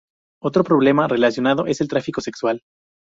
Otro problema relacionado es el tráfico sexual.